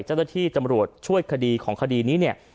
เจ้าหน้าที่ตำรวจช่วยคดีของคดีนี้เนี่ย